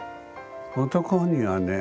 男にはね